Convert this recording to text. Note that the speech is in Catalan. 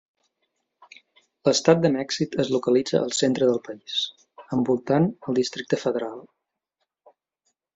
L'estat de Mèxic es localitza al centre del país, envoltant al Districte Federal.